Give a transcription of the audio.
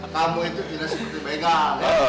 tamu itu tidak seperti begal